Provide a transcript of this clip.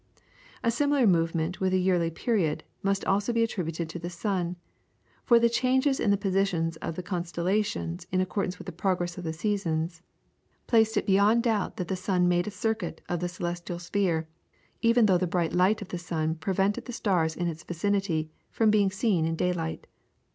A similar movement with a yearly period must also be attributed to the sun, for the changes in the positions of the constellations in accordance with the progress of the seasons, placed it beyond doubt that the sun made a circuit of the celestial sphere, even though the bright light of the sun prevented the stars in its vicinity, from being seen in daylight.